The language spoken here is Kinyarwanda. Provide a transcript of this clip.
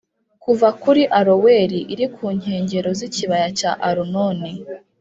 kuva kuri Aroweri iri ku nkengero z’ikibaya cya Arunoni